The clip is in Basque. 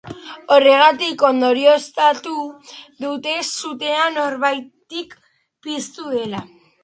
Horregatik ondorioztatu dute sutea norbaitik piztu duela.